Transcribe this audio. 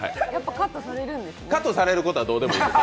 カットされることはどうでもいいです。